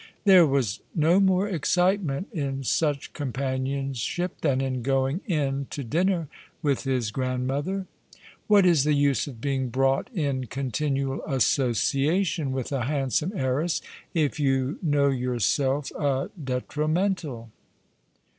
There was no more excitement in such companion ship than in going in to dinner with his grandmother. Yr^'hat is the use of being brought in continual association with a handsome heiress if you know yourself a detrimental